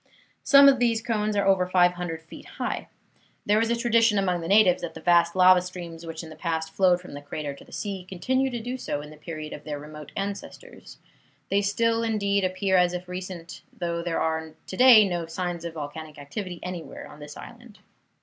Some of these cones are over 500 feet high. There is a tradition among the natives that the vast lava streams which in the past flowed from the crater to the sea continued to do so in the period of their remote ancestors. They still, indeed, appear as if recent, though there are to day no signs of volcanic activity anywhere on this island.